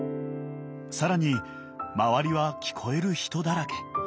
更に周りは聞こえる人だらけ。